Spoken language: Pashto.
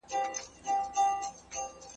عدل منځنۍ لار ده.